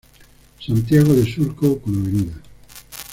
Santiago de Surco con Av.